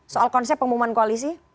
soal konsep pengumuman koalisi